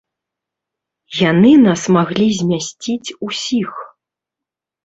Яны нас маглі змясіць усіх.